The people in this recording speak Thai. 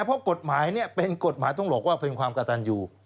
เพราะกฎหมายเป็นกฎหมายต้องบอกว่าเป็นความกระตันอยู่